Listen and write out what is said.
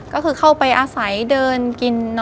ก็คือเข้าไปอาศัยเดินกิน